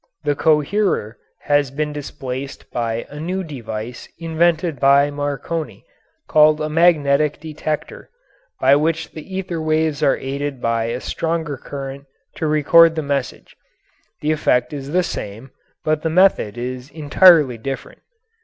The coherer has been displaced by a new device invented by Marconi, called a magnetic detector, by which the ether waves are aided by a stronger current to record the message. The effect is the same, but the method is entirely different.